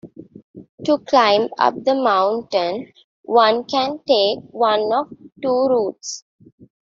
To climb up the mountain, one can take one of two routes.